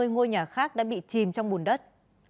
ba mươi ngôi nhà khác đã bị chìm trong bùn đất